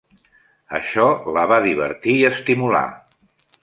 Això la va divertir i estimular.